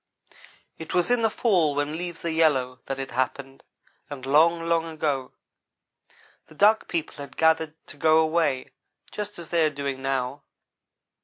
"It was in the fall when leaves are yellow that it happened, and long, long ago. The Duck people had gathered to go away, just as they are doing now.